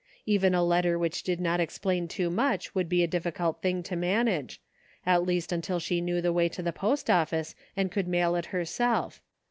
Even a letter which did not explain too much would be a difficult thing to manage, at least until she knew the way to the post office and could mail it herself.